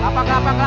lapa kelapa kelapa